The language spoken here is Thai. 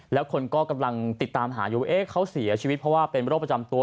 แล้วคนก็กำลังติดตามหาอยู่ว่าเขาเสียชีวิตเพราะว่าเป็นโรคประจำตัว